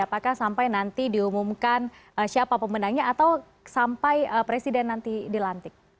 apakah sampai nanti diumumkan siapa pemenangnya atau sampai presiden nanti dilantik